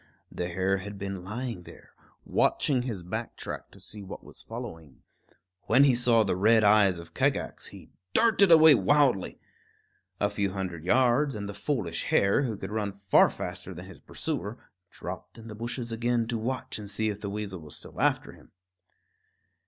The hare had been lying there, watching his back track to see what was following. When he saw the red eyes of Kagax, he darted away wildly. A few hundred yards, and the foolish hare, who could run far faster than his pursuer, dropped in the bushes again to watch and see if the weasel was still after him.